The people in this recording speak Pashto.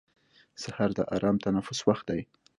سهار د ارام تنفس وخت دی.